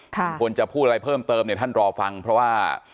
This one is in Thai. ควรจะพูดอะไรเพิ่มเติมเนี่ยท่านรอฟังเพราะว่า